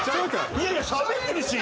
いやいやしゃべってるし！